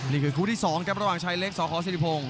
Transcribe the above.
นี่คือคู่ที่๒ครับระหว่างชายเล็กสขสิริพงศ